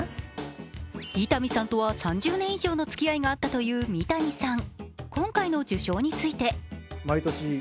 伊丹さんとは３０年以上のつきあいがあったという三谷さん。